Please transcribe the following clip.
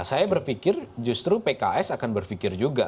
saya berpikir justru pks akan berpikir juga